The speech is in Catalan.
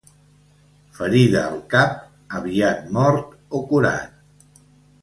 Ferida al cap, aviat mort o curat.